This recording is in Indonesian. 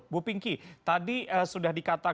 bu pinky tadi sudah dikatakan